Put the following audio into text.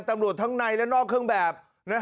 ตำรวจทั้งในและนอกเครื่องแบบ